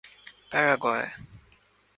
Paraguay